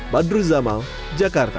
badru zamal jakarta